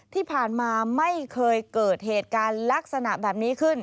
ที่ผ่านมาไม่เคยเกิดเหตุการณ์ลักษณะแบบนี้ขึ้น